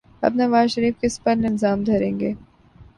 اب نواز شریف کس پہ الزام دھریں گے؟